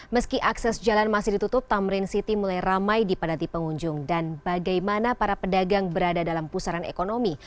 meski akses jalan masih ditutup tamrin city mulai ramai dipadati pengunjung dan bagaimana para pedagang berada dalam pusaran ekonomi